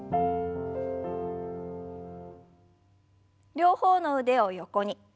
両方の腕を横に。